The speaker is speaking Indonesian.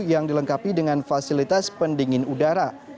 yang dilengkapi dengan fasilitas pendingin udara